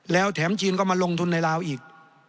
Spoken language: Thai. แล้วแถมจีนก็มาลงทุนในลาวอีก